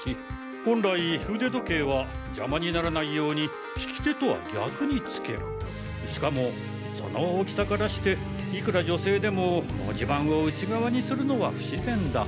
本来腕時計は邪魔にならないように利き手とは逆につけるしかもその大きさからしていくら女性でも文字盤を内側にするのは不自然だ。